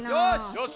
よし！